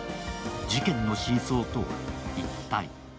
事件の真相とは、一体？